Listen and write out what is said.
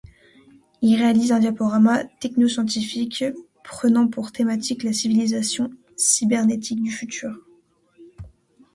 Il réalise un diaporama technoscientifique prenant pour thématique la civilisation cybernétique du futur.